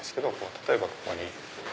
例えばここに。